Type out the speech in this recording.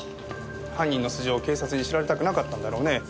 犯人の素性を警察に知られたくなかったんだろうね。